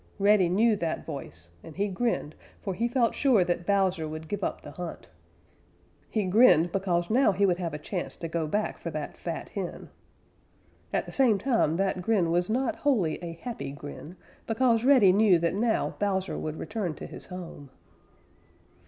Reddy knew that voice and he grinned, for he felt sure that Bowser would give up the hunt. He grinned because now he would have a chance to go back for that fat hen. At the same time that grin was not wholly a happy grin, because Reddy knew that now Bowser would return to his home.